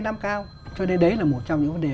năm cao cho nên đấy là một trong những vấn đề